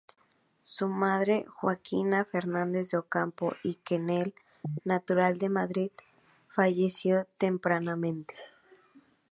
Su madre, Joaquina Fernández de Ocampo y Kennel, natural de Madrid, falleció tempranamente.